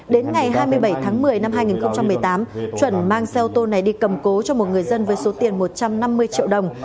đến ngày hai mươi bảy tháng một mươi năm hai nghìn một mươi tám chuẩn mang xe ô tô này đi cầm cố cho một người dân với số tiền một trăm năm mươi triệu đồng